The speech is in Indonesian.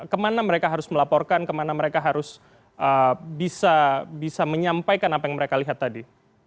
kemana mereka harus melaporkan kemana mereka harus bisa menyampaikan apa yang mereka lihat tadi